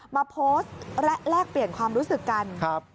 มาโพสต์และแลกเปลี่ยนความรู้สึกกัน